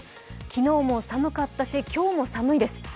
昨日も寒かったし今日も寒いです。